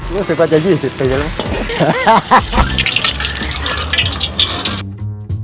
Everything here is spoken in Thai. รู้สึกว่าจะ๒๐ปีแล้ว